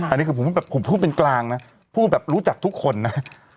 อันนี้คือผมพูดเป็นกลางนะพูดแบบรู้จักทุกคนนะ